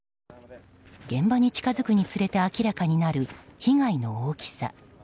現場に近づくにつれて明らかになる被害の大きさ。